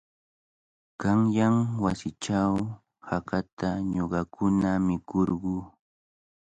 Qanyan wasiichaw hakata ñuqakuna mikurquu.